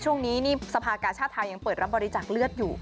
ช่วงนี้นี่สภากาชาติไทยยังเปิดรับบริจาคเลือดอยู่